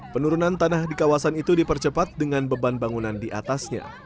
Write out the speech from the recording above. penurunan tanah di kawasan itu dipercepat dengan beban bangunan di atasnya